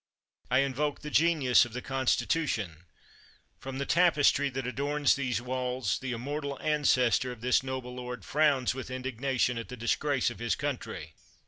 I invoke the genius of the Constitution. From the tapes try that adorns these walls, the immortal ances tor 1 of this noble lord frowns with indignation at the disgrace of his country.